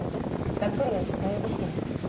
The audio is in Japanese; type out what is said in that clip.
ざっくり言うとそういう儀式です。